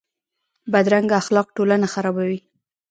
بدرنګه اخلاق ټولنه خرابوي